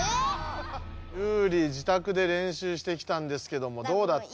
ユウリ自宅で練習してきたんですけどもどうだった？